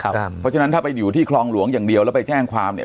เพราะฉะนั้นถ้าไปอยู่ที่คลองหลวงอย่างเดียวแล้วไปแจ้งความเนี่ย